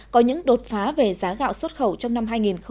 có những đột phá về giá gạo xuất khẩu trong năm hai nghìn hai mươi